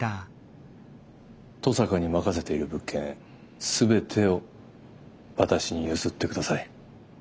登坂に任せている物件全てを私に譲ってください。